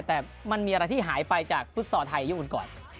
แต่มันมีอะไรที่หายไปจากฟุตซอลไทยยุคก่อน